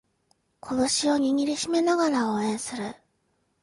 拳を握りしめながら応援する